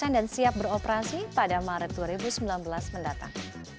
dan siap beroperasi pada maret dua ribu sembilan belas mendatang